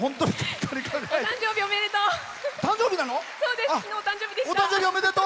お誕生日、おめでとう！